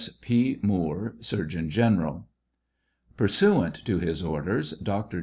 S. P. MOOKE, Surgeon General. Pursuant to his orders. Dr.